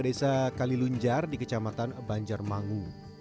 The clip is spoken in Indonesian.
desa kalilunjar di kecamatan banjarmangu